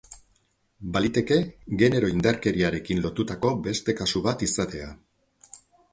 Baliteke genero indarkeriarekin lotutako beste kasu bat izatea.